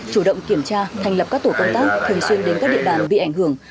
chủ động kiểm tra thành lập các tổ công tác thường xuyên đến các địa bàn bị ảnh hưởng